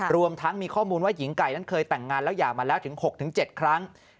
รวมทั้งมีข้อมูลว่าหญิงไก่นั้นเคยแต่งงานแล้วหย่ามาแล้วถึง๖๗ครั้ง